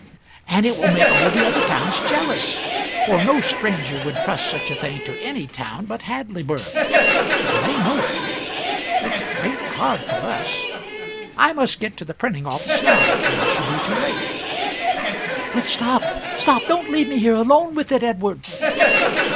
And it will make all the other towns jealous; for no stranger would trust such a thing to any town but Hadleyburg, and they know it. It's a great card for us. I must get to the printing office now, or I shall be too late." "But stop stop don't leave me here alone with it, Edward!"